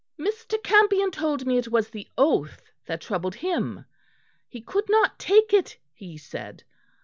"Mr. Campion told me it was the oath that troubled him. He could not take it, he said.